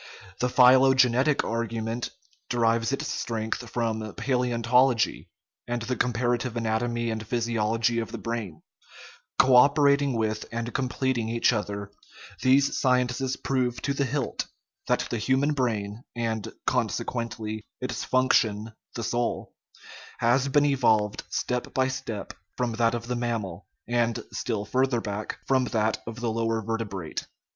The phylogenetic argument derives its strength from palaeontology, and the com parative anatomy and physiology of the brain; co operating with and completing each other, these sciences prove to the hilt that the human brain (and, conse quently, its function the soul) has been evolved step by step from that of the mammal, and, still further back, from that of the lower vertebrate.